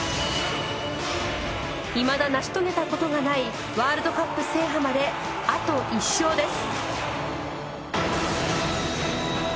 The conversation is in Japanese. いまだ成し遂げた事がないワールドカップ制覇まであと１勝です。